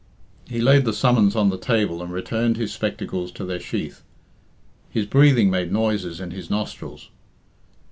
He laid the summons on the table, and returned his spectacles to their sheath. His breathing made noises in his nostrils.